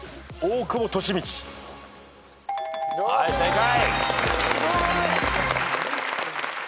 はい正解。